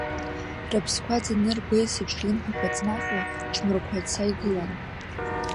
Рыԥсқәа ӡаны, ргәеисыбжь рлымҳақәа ҵнахуа, ҽмырқәаца игылан.